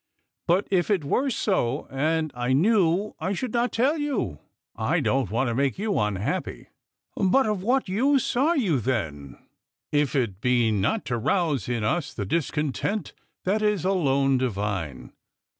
" But if it were so, and I knew, I should not tell you. I don't want to make you unhappy." "But of what use are you then, if it be not to rouse in us the discontent that is alone divine